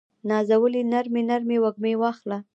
نازولې نرمې، نرمې وږمې واخله